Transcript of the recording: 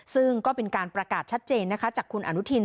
ซึ่งก็เป็นการประกาศชัดเจนนะคะจากคุณอนุทิน